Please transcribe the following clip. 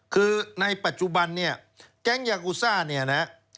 คือในปัจจุบันเนี่ยแก๊งยากูซ่าเนี่ยนะ